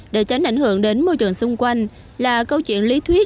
để tránh ảnh hưởng đến môi trường xung quanh là câu chuyện lý thuyết